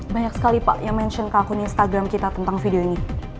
banyak sekali pak yang mention ke akun instagram kita tentang video ini